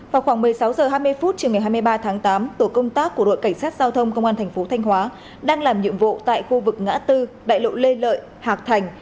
vào khoảng một mươi sáu h hai mươi phút chiều ngày hai mươi ba tháng tám tổ công tác của đội cảnh sát giao thông công an thành phố thanh hóa đang làm nhiệm vụ tại khu vực ngã tư đại lộ lê lợi hạc thành